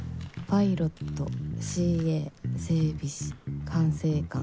「パイロットＣＡ整備士管制官」。